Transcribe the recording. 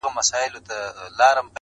زما تر لحده به آواز د مرغکیو راځي!.